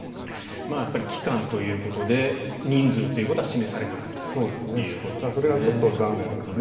やっぱり期間ということで人数ということは示されなかったということですね。